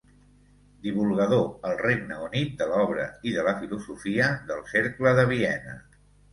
Divulgador al Regne Unit de l'obra i de la filosofia del Cercle de Viena.